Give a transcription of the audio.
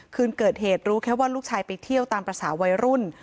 คืนเกิดเหตุรู้แค่ว่าลูกชายไปเที่ยวตามภาษาวัยรุ่น